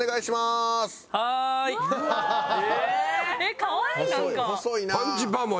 かわいいなんか。